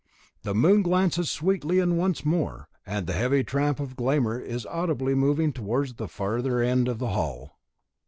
Then the moon glances sweetly in once more, and the heavy tramp of Glámr is audibly moving towards the farther end of the hall.